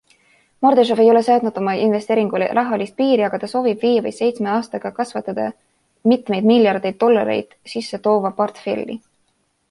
Mordašov ei ole seadnud oma investeeringule rahalist piiri, aga ta soovib viie või seitsme aastaga kasvatada mitmeid miljardeid dollareid sisse toova portfelli.